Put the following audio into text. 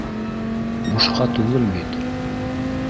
Бушҡа түгел бит